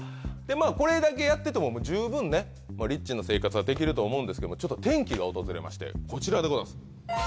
これだけやってても十分リッチな生活はできると思うんですけどもちょっと転機が訪れましてこちらでございます